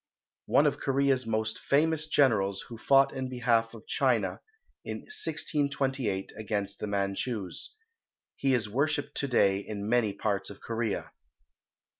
One of Korea's most famous generals, who fought in behalf of China in 1628 against the Manchus. He is worshipped to day in many parts of Korea.